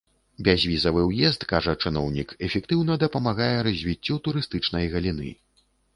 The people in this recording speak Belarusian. Бязвізавы ўезд, кажа чыноўнік, эфектыўна дапамагае развіццю турыстычнай галіны.